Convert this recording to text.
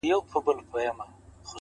o صبر وکړه لا دي زمانه راغلې نه ده ـ